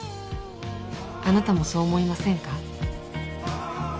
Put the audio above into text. あなたもそう思いませんか？